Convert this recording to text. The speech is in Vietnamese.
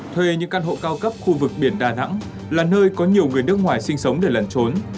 thuê những căn hộ cao cấp khu vực biển đà nẵng là nơi có nhiều người nước ngoài sinh sống để lẩn trốn